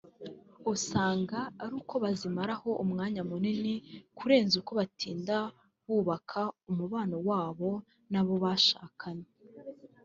usanga ari uko bazimaraho umwanya munini kurenza uko batinda bubaka umubano wabo n’abo bashakanye